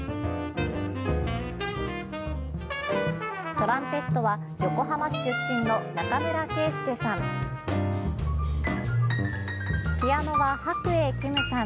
トランペットは横浜市出身の中村恵介さん。